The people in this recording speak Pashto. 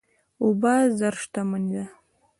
اوبه زر شتمني ده.